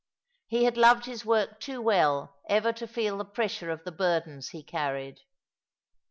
He had loved his work too well ever to feel the pressure of the burdens he carried.